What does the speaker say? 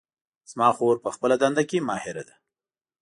زما خور په خپله دنده کې ماهره ده